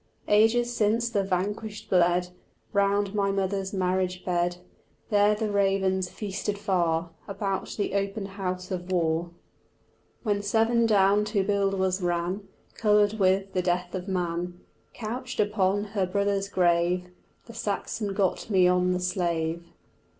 Ages since the vanquished bled Round my mother's marriage bed; There the ravens feasted far About the open house of war: When Severn down to Buildwas ran Coloured with the death of man, Couched upon her brother's grave The Saxon got me on the slave.